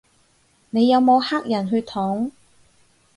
你有冇黑人血統